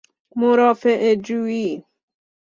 مرافعه جوئی